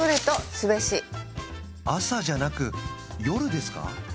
朝じゃなく夜ですか？